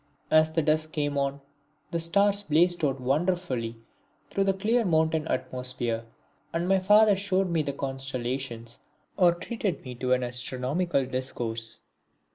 As dusk came on the stars blazed out wonderfully through the clear mountain atmosphere, and my father showed me the constellations or treated me to an astronomical discourse.